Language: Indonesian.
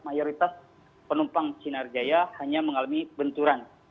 dan mayoritas penumpang sinarjaya hanya mengalami benturan